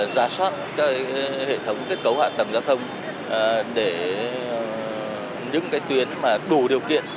giá soát các hệ thống kết cấu hạ tầng giao thông để đứng cái tuyến mà đủ điều kiện